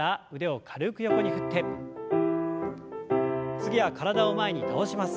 次は体を前に倒します。